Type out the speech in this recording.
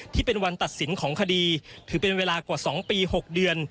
ที่เป็นวันตัดสินของคดีถือเป็นเวลากว่า๒ปี๖เดือน